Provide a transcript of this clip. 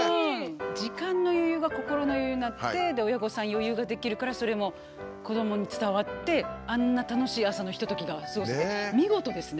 時間の余裕が心の余裕になってで親御さん余裕ができるからそれも子どもに伝わってあんな楽しい朝のひとときが過ごせて見事ですね。